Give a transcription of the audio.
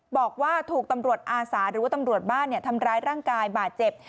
บอกว่าถูกตำรวจอาสาหรือว่าตำรวจบ้านทำร้ายร่างกายบาดเจ็บ